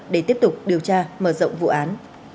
để tiếp tục điều tra mở rộng vụ án